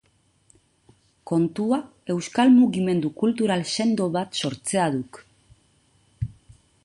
Kontua euskal mugimendu kultural sendo bat sortzea duk.